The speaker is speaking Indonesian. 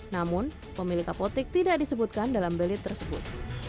namun pemilik apotek tidak disebutkan dalam belit tersebut